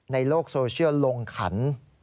ในโลกโซเชียลลงขัน